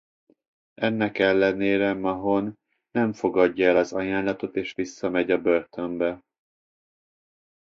Ennek ellenére Mahone nem fogadja el az ajánlatot és visszamegy a börtönbe.